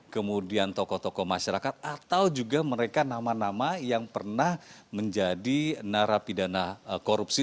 kemudian tokoh tokoh masyarakat atau juga mereka nama nama yang pernah menjadi narapidana korupsi